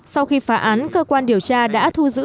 sau khi phá án cơ quan điều tra đã thu giữ